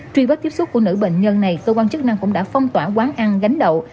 truy vết tiếp xúc của nữ bệnh nhân này cơ quan chức năng cũng đã phong tỏa quán ăn gánh đậu